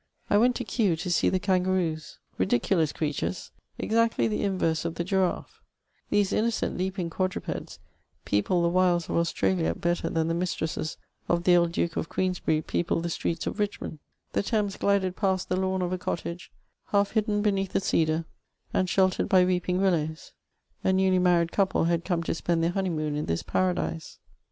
I went to Kew to see the kangaroos ; ridiculous creatures, exactly the inverse of the giraffe ; these innocent, leaping quadrupeds, peopled the wilds of Australia better than the mistresses of the old Duke of Queensbury peopled the streets of Richmond The Thames glided past the lawn of a cottage half hidden beneath a cedar, and eiiel tered by weeping willows ; a newly married couple had come to spend their honeymoon in this paradise.